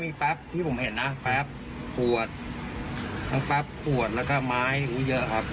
มีแป๊บที่ผมเห็นนะแป๊บขวดทั้งแป๊บขวดแล้วก็ไม้เยอะครับ